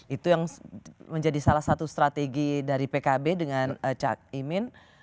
itu yang menjadi salah satu strategi dari pkb dengan cak imin